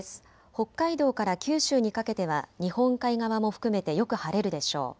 北海道から九州にかけては日本海側も含めてよく晴れるでしょう。